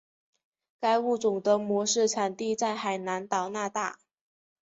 该物种的模式产地在海南岛那大。